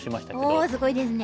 おおすごいですね。